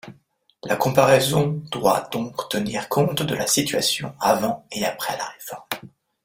La comparaison doit donc tenir compte de la situation avant et après la réforme.